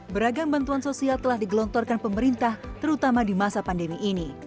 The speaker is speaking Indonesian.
beragam bantuan sosial telah digelontorkan pemerintah terutama di masa pandemi ini